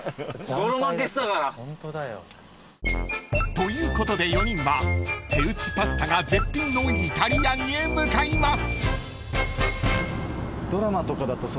［ということで４人は手打ちパスタが絶品のイタリアンへ向かいます］